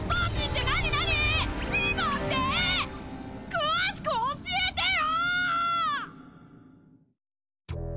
詳しく教えてよ！！